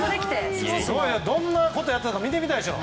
どんなことやっていたか見てみたいでしょ。